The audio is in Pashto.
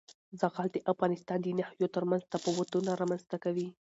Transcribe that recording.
زغال د افغانستان د ناحیو ترمنځ تفاوتونه رامنځ ته کوي.